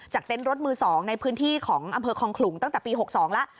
เต็นต์รถมือ๒ในพื้นที่ของอำเภอคองขลุงตั้งแต่ปี๖๒แล้ว